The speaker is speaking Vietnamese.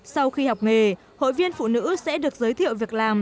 sau khi học nghề hội viên phụ nữ sẽ được giới thiệu việc làm